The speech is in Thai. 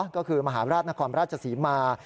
ก็คือมหาราชนครราชศรีมา